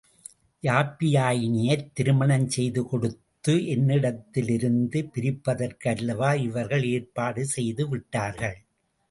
யாப்பியாயினியைத் திருமணம் செய்து கொடுத்து என்னிடத்திலிருந்து பிரிப்பதற்கு அல்லவா இவர்கள் ஏற்பாடு செய்து விட்டார்கள்.